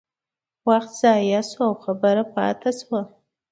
وخت ضایع شو او خبره پاتې شوه.